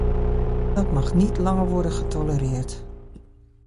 Dat mag niet langer worden getolereerd.